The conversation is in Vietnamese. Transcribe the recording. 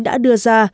đã đưa ra